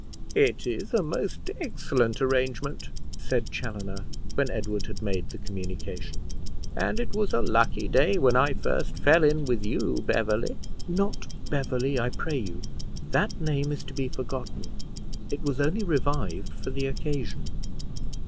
"It is a most excellent arrangement," said Chaloner, when Edward had made the communication; "and it was a lucky day when I first fell in with you, Beverley." "Not Beverley, I pray you; that name is to be forgotten; it was only revived for the occasion."